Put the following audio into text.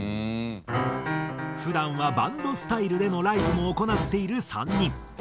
普段はバンドスタイルでのライブも行っている３人。